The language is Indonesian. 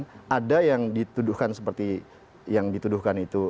itu bisa dituduhkan seperti yang dituduhkan itu